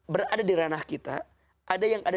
berada di ranah kita ada yang ada